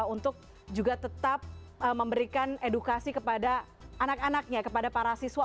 untuk juga tetap memberikan edukasi kepada anak anaknya kepada para siswa